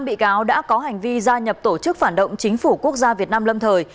năm bị cáo đã có hành vi gia nhập tổ chức phản động chính phủ quốc gia việt nam lâm thời